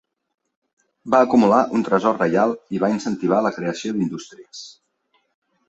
Va acumular un tresor reial i va incentivar la creació d'indústries.